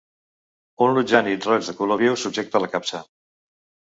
Un lutjànid roig de color viu subjecta la capsa.